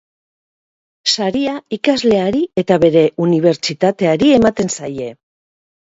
Saria ikasleari eta bere unibertsitateari ematen zaie.